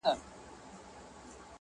کلي ته ولاړم هر يو يار راڅخه مخ واړوئ,